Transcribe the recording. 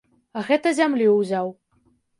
А гэта зямлі ўзяў.